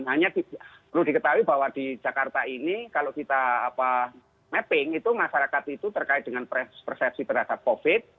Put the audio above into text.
hanya perlu diketahui bahwa di jakarta ini kalau kita mapping itu masyarakat itu terkait dengan persepsi terhadap covid